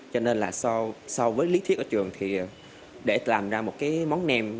cho nên là so với lý thuyết ở trường thì để làm ra một cái món nem